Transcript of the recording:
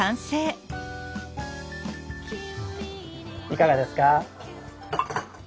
いかがですか？